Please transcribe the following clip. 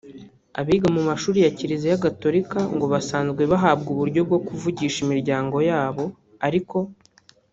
Abiga mu mashuri ya Kiliziya Gatorika ngo basanzwe bahabwa uburyo bwo kuvugisha imiryango yabo ariko